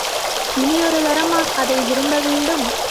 இனியொரு தரமா அதை விரும்பவேண்டும்?